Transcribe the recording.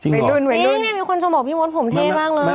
จริงมั้ยมีคนช่วงบอกว่าพี่มดผมเท่บ้างเลย